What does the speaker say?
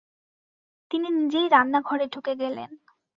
তিনি নিজেই রান্নাঘরে ঢুকে গেলেন।